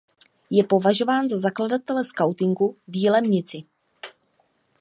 Je považován za zakladatele skautingu v Jilemnici.